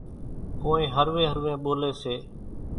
ڪونئين هروين هروين ٻوليَ سي۔